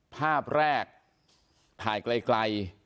ภาพแรกถ่ายไกล